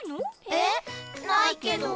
えっないけど。